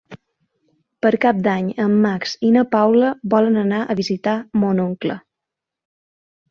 Per Cap d'Any en Max i na Paula volen anar a visitar mon oncle.